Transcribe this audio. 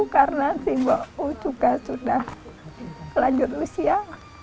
karena simbaku juga sudah lanjut usia